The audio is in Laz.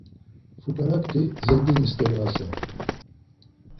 Fuǩarakti zengini-steri vasen.